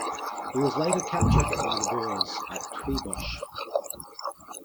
He was later captured by the Boers at Tweebosch.